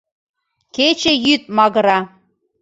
Кече-йӱд магыра”.